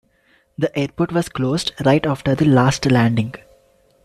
The airport was closed right after the last landing.